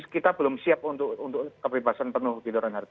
kita belum siap untuk kebebasan penuh gitu renhard